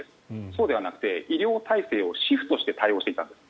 そうではなくて医療体制をシフトして対応していくと。